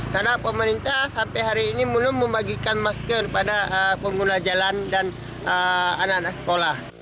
karena pemerintah sampai hari ini belum membagikan masker kepada pengguna jalan dan anak anak sekolah